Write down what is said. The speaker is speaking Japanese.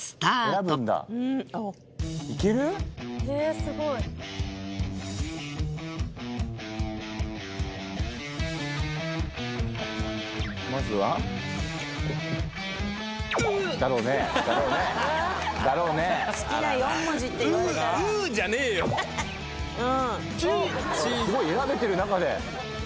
すごい選べてる中で。